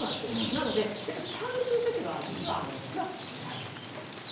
なので、やっぱりちゃんとするときは、実は素足ってない。